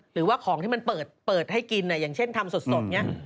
หรือว่าของที่มันเปิดให้กินอย่างเช่นทำสดอย่างนี้